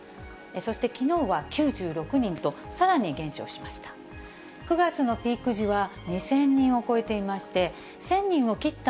そしてきのうは９６人と、さらに減少しました。